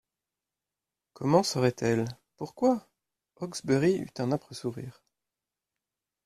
Comment saurait-elle ?… Pourquoi ?…» Hawksbury eut un âpre sourire.